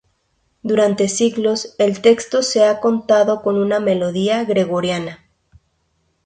Durante siglos el texto se ha cantado con una melodía gregoriana.